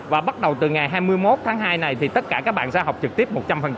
và bắt đầu từ ngày hai mươi một tháng hai này thì tất cả các bạn sẽ học trực tiếp một trăm linh